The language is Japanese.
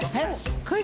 クイズ？